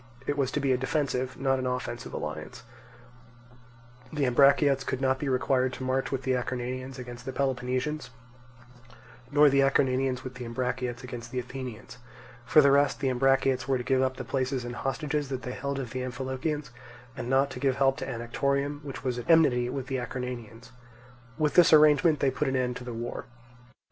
It was to be a defensive, not an offensive alliance; the Ambraciots could not be required to march with the Acarnanians against the Peloponnesians, nor the Acarnanians with the Ambraciots against the Athenians; for the rest the Ambraciots were to give up the places and hostages that they held of the Amphilochians, and not to give help to Anactorium, which was at enmity with the Acarnanians. With this arrangement they put an end to the war.